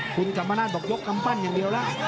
คุณกำมาหน้าตกยกกัมปั้นอย่างเดียวล่ะ